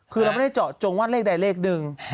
คือเราไม่ได้เจาะจงว่าเลขใดเลขหนึ่ง